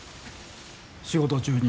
仕事中に。